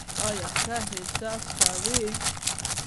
آیا ښه احساس کوې؟